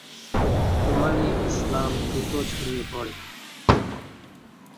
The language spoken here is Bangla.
ওমানে ইসলাম দ্রুত ছড়িয়ে পড়ে।